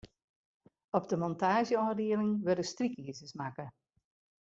Op de montaazjeôfdieling wurde strykizers makke.